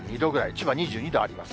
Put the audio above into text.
千葉２２度あります。